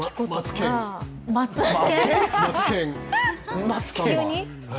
マツケン？